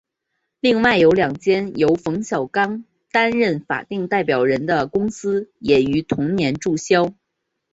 另外有两间由冯小刚担任法定代表人的公司也于同年注销。